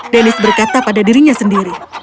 deniz berkata pada dirinya sendiri